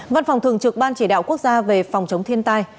văn phòng thường trực ban chỉ đạo quốc gia về phòng chống thiên tai